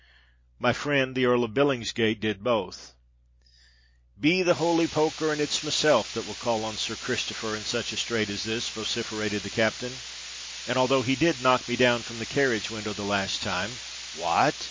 My friend, the Earl of Billingsgate, did both——" "Be the holy poker r! and it's myself that will call on Sir Christopher r in such a strait as this," vociferated the captain; "and although he did knock me down from the carriage window, the last time——" "What!"